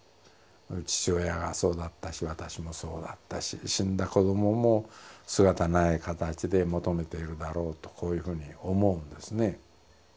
父親がそうだったし私もそうだったし死んだ子どもも姿ない形で求めているだろうとこういうふうに思うんですね。